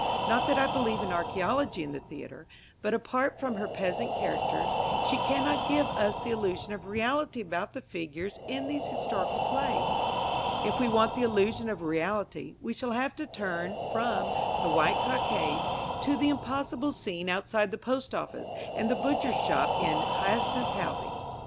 Not that I believe in archaeology in the theatre; but, apart from her peasant characters, she cannot give us the illusion of reality about the figures in these historical plays. If we want the illusion of reality, we shall have to turn from The White Cockade to the impossible scene outside the post office and the butcher's shop in Hyacinth Halvey.